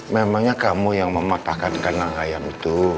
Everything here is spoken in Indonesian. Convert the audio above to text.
memangnya kamu yang mematahkan kandang ayam itu